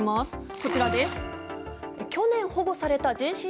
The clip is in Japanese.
こちらです。